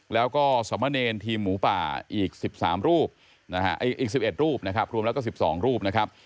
แล้วก็สมเนรทีมหมูป่าอีก๑๓รูปอีก๑๑รูปนะครับรวมแล้วก็๑๒รูปนะครับ